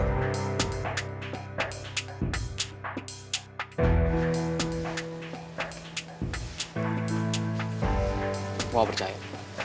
gue gak percaya